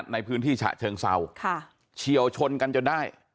ในพื้นที่ฉะเชิงเศร้าค่ะเฉียวชนกันจนได้